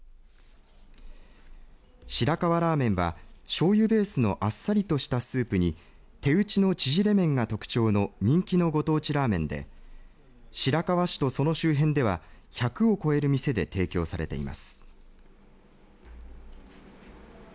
白河ラーメンはしょうゆベースのあっさりとしたスープに手打ちの縮れ麺が特徴の人気のご当地ラーメンで白河市とその周辺では１００を超える店で提供されています。